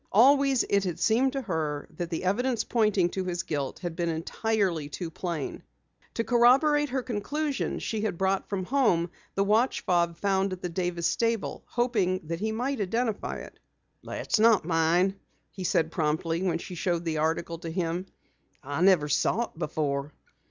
Always it had seemed to her that evidence pointing to his guilt had been entirely too plain. To corroborate her conclusions, she had brought from home the watch fob found at the Davis stable, hoping that he might identify it. "That's not mine," he said promptly when she showed the article to him. "I never saw it before."